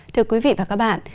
thưa quý vị và các bạn